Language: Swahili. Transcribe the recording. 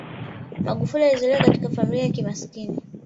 magufuli alizaliwa katika familia ya kimaskini